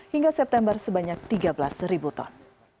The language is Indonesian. hingga september sebanyak tiga belas ribu ton